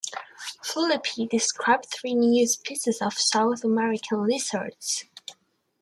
Philippi described three new species of South American lizards.